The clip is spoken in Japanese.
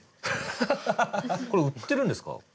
これ売ってるんですか？